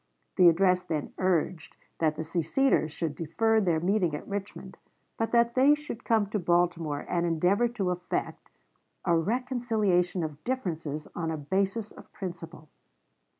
The address then urged that the seceders should defer their meeting at Richmond, but that they should come to Baltimore and endeavor to effect "a reconciliation of differences on a basis of principle."